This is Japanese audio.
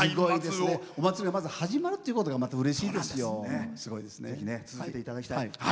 お祭りが始まるってことがうれしいですよ。